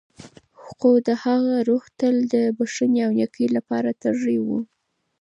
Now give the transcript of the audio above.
خو د هغه روح تل د بښنې او نېکۍ لپاره تږی و.